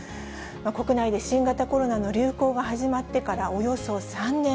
国内で新型コロナの流行が始まってから、およそ３年。